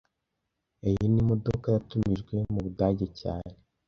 Iyi ni imodoka yatumijwe mu Budage cyane